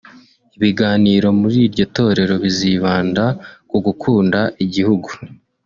Ibiganiro muri iryo torero bizibanda ku gukunda igihugu